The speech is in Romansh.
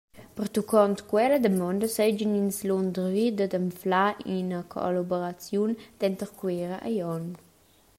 Pertuccont quella damonda seigien ins lundervi dad anflar ina collaboraziun denter Cuera e Glion.